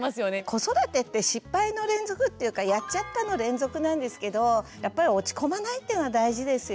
子育てって失敗の連続っていうか「やっちゃった！」の連続なんですけどやっぱり落ち込まないっていうのは大事ですよね。